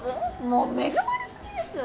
もう恵まれすぎです